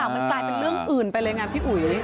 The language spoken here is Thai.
มันกลายเป็นเรื่องอื่นไปเลยไงพี่อุ๋ย